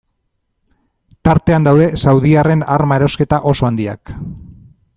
Tartean daude saudiarren arma erosketa oso handiak.